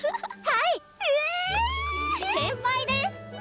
はい？